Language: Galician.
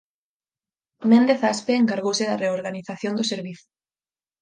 Méndez Aspe encargouse da reorganización do servizo.